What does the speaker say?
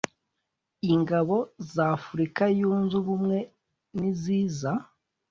Ingabo za Afurika Yunze Ubumwe niziza